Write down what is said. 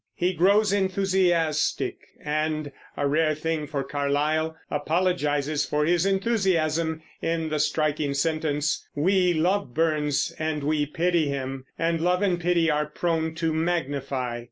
He grows enthusiastic and a rare thing for Carlyle apologizes for his enthusiasm in the striking sentence, "We love Burns, and we pity him; and love and pity are prone to magnify."